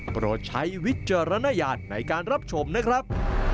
โปรดใช้วิจารณญาณในการรับชมนะครับ